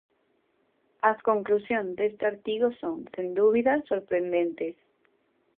As conclusións deste artigo son, sen dúbida, sorprendentes.